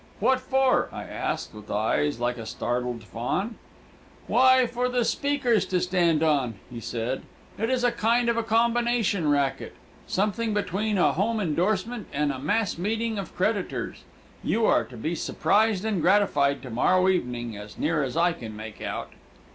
"What for?" I asked, with eyes like a startled fawn. "Why, for the speakers to stand on," he said. "It is a kind of a combination racket. Something between a home indorsement and a mass meeting of creditors. You are to be surprised and gratified to morrow evening, as near as I can make out."